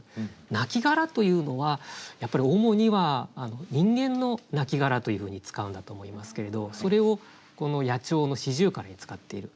亡骸というのはやっぱり主には人間の亡骸というふうに使うんだと思いますけれどそれをこの野鳥の四十雀に使っている。